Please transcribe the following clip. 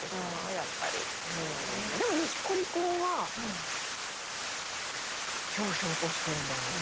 でも錦織君はひょうひょうとしてんだよね。